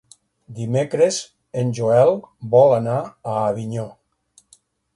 Dimecres en Joel vol anar a Avinyó.